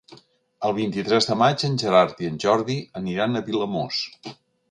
El vint-i-tres de maig en Gerard i en Jordi aniran a Vilamòs.